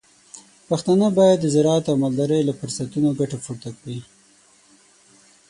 پښتانه بايد د زراعت او مالدارۍ له فرصتونو ګټه پورته کړي.